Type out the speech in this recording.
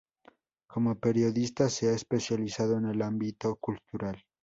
Como periodista se ha especializado en el ámbito cultural.